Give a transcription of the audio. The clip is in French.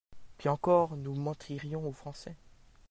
Pis encore, nous mentirions aux Français